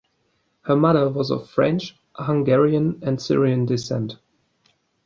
Her mother was of French, Hungarian, and Syrian descent.